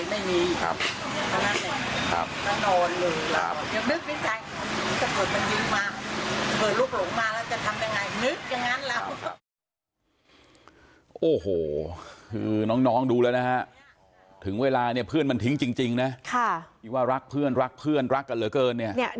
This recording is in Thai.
ไม่เห็นตอนนั้นไม่เห็นยินเสียงรถมีละออกมายินเสียงปืนออกมาแล้วไม่มี